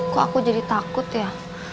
kok aku jadi takut ya